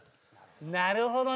なるほどね。